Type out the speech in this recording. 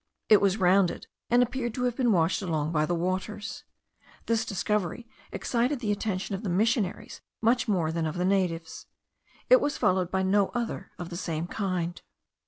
It was rounded, and appeared to have been washed along by the waters. This discovery excited the attention of the missionaries much more than of the natives; it was followed by no other of the same kind.